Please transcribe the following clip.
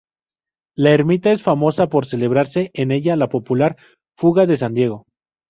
La ermita es famosa por celebrarse en ella la popular Fuga de San Diego.